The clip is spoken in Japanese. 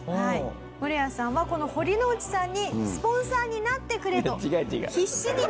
ムロヤさんはこの堀之内さんにスポンサーになってくれと必死に熱弁します。